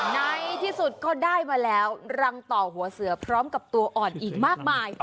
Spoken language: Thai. ในที่สุดก็ได้มาแล้วรังต่อหัวเสือพร้อมกับตัวอ่อนอีกมากมาย